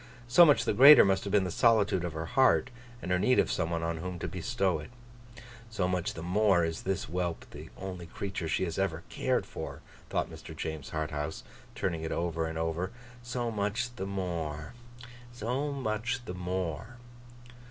So much the greater must have been the solitude of her heart, and her need of some one on whom to bestow it. 'So much the more is this whelp the only creature she has ever cared for,' thought Mr. James Harthouse, turning it over and over. 'So much the more. So much the more.